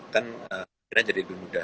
kan kiranya jadi lebih mudah